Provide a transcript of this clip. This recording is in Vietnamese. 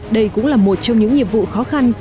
đây cũng là một trong những nhiệm vụ khó khăn